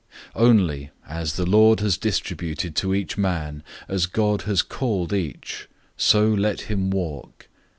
007:017 Only, as the Lord has distributed to each man, as God has called each, so let him walk.